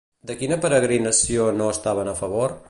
De quina peregrinació no estaven a favor?